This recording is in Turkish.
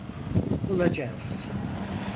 Bulacağız.